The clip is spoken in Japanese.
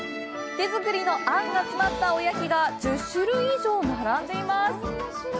手作りのあんが詰まったおやきが１０種類以上そろっています。